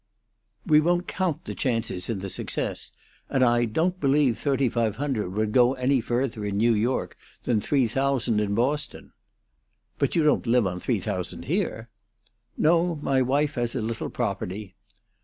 "We won't count the chances in the success. And I don't believe thirty five hundred would go any further in New York than three thousand in Boston." "But you don't live on three thousand here?" "No; my wife has a little property."